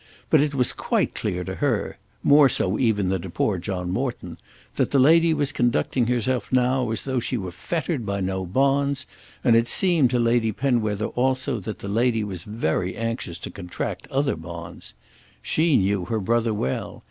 But it was quite clear to her, more so even than to poor John Morton, that the lady was conducting herself now as though she were fettered by no bonds, and it seemed to Lady Penwether also that the lady was very anxious to contract other bonds. She knew her brother well.